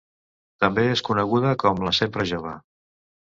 També és coneguda com la Sempre Jove.